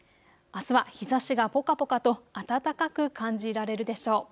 あすは日ざしがぽかぽかと暖かく感じられるでしょう。